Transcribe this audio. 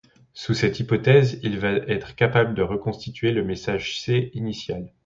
Sous cette hypothèse, il va être capable de reconstituer le message C initial.